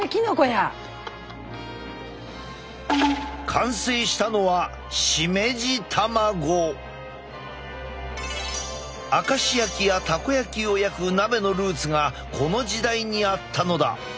完成したのは明石焼きやたこ焼きを焼く鍋のルーツがこの時代にあったのだ。